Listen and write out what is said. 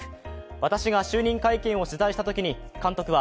私が就任会見を取材したときに監督は、